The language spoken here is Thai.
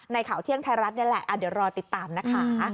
ข่าวเที่ยงไทยรัฐนี่แหละเดี๋ยวรอติดตามนะคะ